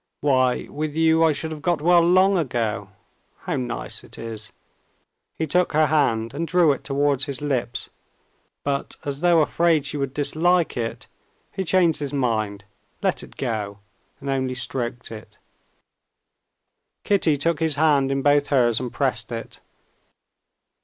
"Why, with you I should have got well long ago. How nice it is!" he took her hand and drew it towards his lips, but as though afraid she would dislike it he changed his mind, let it go, and only stroked it. Kitty took his hand in both hers and pressed it.